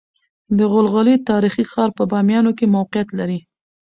دغلغلې تاريخي ښار په باميانو کې موقعيت لري